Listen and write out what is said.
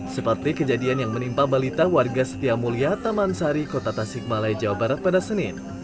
seperti kejadian yang menimpa balita warga setia mulia taman sari kota tasikmalaya jawa barat pada senin